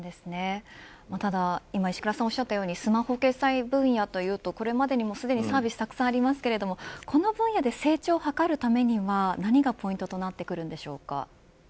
ただ、今、石倉さんがおっしゃってようにスマホ決済の分野というとこれまでにもすでにサービスがたくさんありますがこの分野で成長を図るためには何がポイントになってくるんでしょうか。